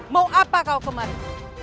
mau apa kau kemarin